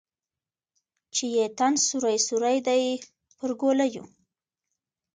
چې یې تن سوری سوری دی پر ګولیو